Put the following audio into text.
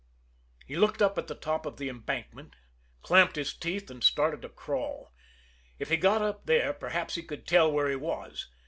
He looked up at the top of the embankment, clamped his teeth, and started to crawl. If he got up there, perhaps he could tell where he was.